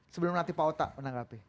sebelum nanti pak ota menanggapi